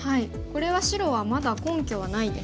これは白はまだ根拠はないですか？